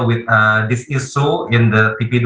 untuk menangani masalah ini di pp dua dd